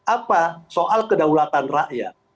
apa soal kedaulatan rakyat